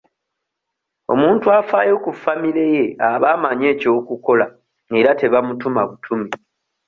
Omuntu afaayo ku famire ye aba amanyi eky'okukola era tebamutuma butumi.